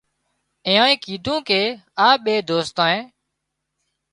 اينانئي ڪيڌون ڪي آ ٻي دوستانئي